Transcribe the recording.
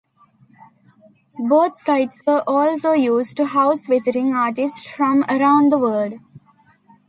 Both sites were also used to house visiting artists from around the world.